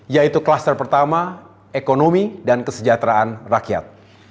yaitu klaster pertama ekonomi dan kesejahteraan rakyat